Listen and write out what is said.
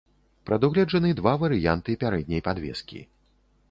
Прадугледжаны два варыянты пярэдняй падвескі.